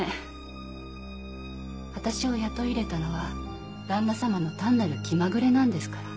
私を雇い入れたのは旦那様の単なる気まぐれなんですから。